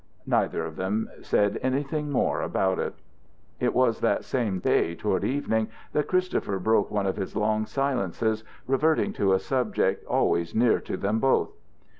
Neither of them said anything more about it. It was that same day, toward evening, that Christopher broke one of his long silences, reverting to a subject always near to them both.